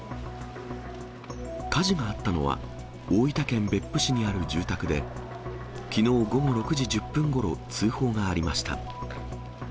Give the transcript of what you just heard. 火事があったのは、大分県別府市にある住宅で、きのう午後６時１０分ごろ、通報がありました。